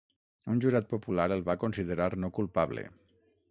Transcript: Un jurat popular el va considerar no culpable.